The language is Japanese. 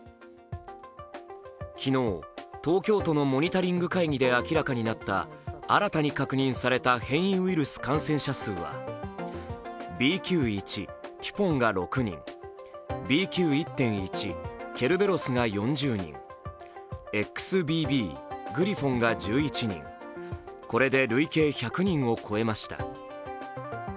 昨日、東京都のモニタリング会議で明らかになった新たに確認された変異ウイルス感染者件数はＢＱ．１＝テュポンが６人、ＢＱ．１．１＝ケルベロスが４０人、ＸＢＢ＝グリフォンが１１人、これで累計１００人を超えました。